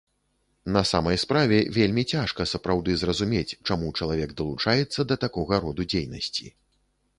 На самай справе вельмі цяжка сапраўды зразумець, чаму чалавек далучаецца да такога роду дзейнасці.